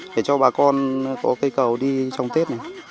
để cho bà con có cây cầu đi trong tết này